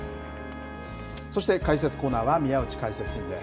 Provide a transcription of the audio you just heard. そして解説コーナーは宮内解説委員です。